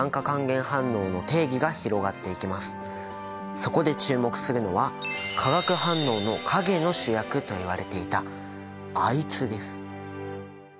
そこで注目するのは「化学反応の陰の主役」といわれていたアイツです。